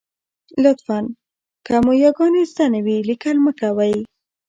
لطفاً! که مو یاګانې زده نه وي، لیکل مه کوئ.